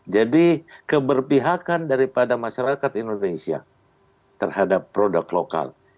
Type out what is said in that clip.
jadi keberpihakan daripada masyarakat indonesia terhadap produk lokal